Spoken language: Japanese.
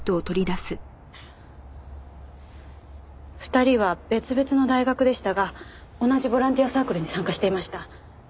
２人は別々の大学でしたが同じボランティアサークルに参加していました。